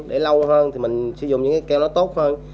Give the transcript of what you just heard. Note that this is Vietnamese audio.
để lâu hơn thì mình sử dụng keo tốt hơn